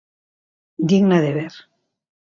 Digna de ver.